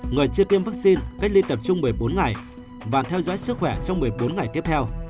người chưa tiêm vaccine cách ly tập trung một mươi bốn ngày và theo dõi sức khỏe trong một mươi bốn ngày tiếp theo